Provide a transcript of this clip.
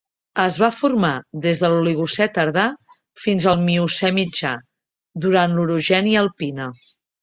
Es va formar des de l'Oligocè tardà fins al Miocè mitjà, durant l'orogènia alpina.